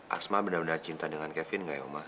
asma benar benar cinta dengan kevin gak ya oma